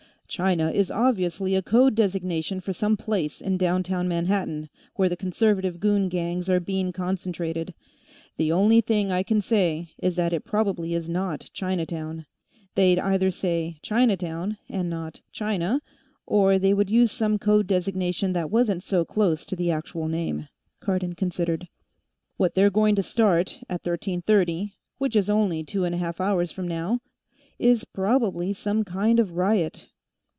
"China is obviously a code designation for some place in downtown Manhattan, where the Conservative goon gangs are being concentrated. The only thing I can say is that it probably is not Chinatown. They'd either say 'Chinatown' and not 'China,' or they would use some code designation that wasn't so close to the actual name," Cardon considered. "What they're going to start, at thirteen thirty, which is only two hours and a half from now, is probably some kind of a riot."